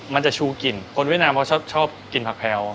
มันจะชูกลิ่นคนเวียดนามเขาชอบกินผักแพลว